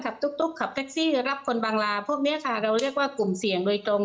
ตุ๊กขับแท็กซี่รับคนบางลาพวกเนี้ยค่ะเราเรียกว่ากลุ่มเสี่ยงโดยตรง